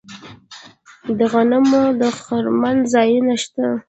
د غنمو د خرمن ځایونه شته.